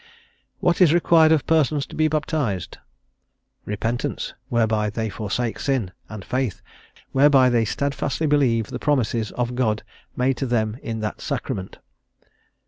'" "What is required of persons to be baptised? Repentance, whereby they forsake sin; and Faith, whereby they steadfastly believe the promises of God made to them in that Sacrament.